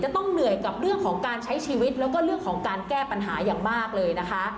ต้องเหนื่อยกับเรื่องของการใช้ชีวิตแล้วก็เรื่องของการแก้ปัญหาอย่างมากเลยนะคะ